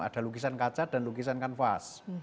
ada lukisan kaca dan lukisan kanvas